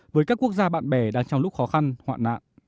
với các quốc gia bạn bè đang trong lúc khó khăn hoạn nạn